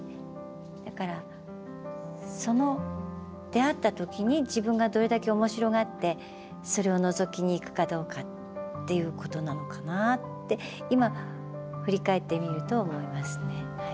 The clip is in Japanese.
だからその出会った時に自分がどれだけおもしろがってそれをのぞきに行くかどうかっていうことなのかなって今振り返ってみると思いますねはい。